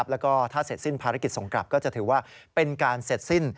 แล้วก็ถ้าเสร็จสิ้นภารกิจส่งกลับก็จะถือว่าเป็นการเสร็จสิ้น